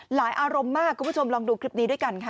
อารมณ์มากคุณผู้ชมลองดูคลิปนี้ด้วยกันค่ะ